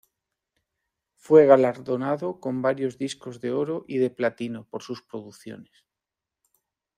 Fue galardonado con varios discos de oro y de platino por sus producciones.